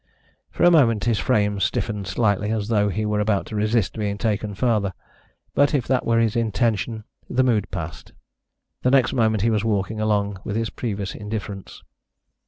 For a moment his frame stiffened slightly, as though he were about to resist being taken farther. But if that were his intention the mood passed. The next moment he was walking along with his previous indifference.